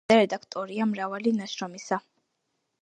ავტორი და რედაქტორია მრავალი ნაშრომისა.